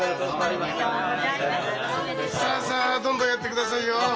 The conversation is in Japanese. さあさあどんどんやってくださいよ。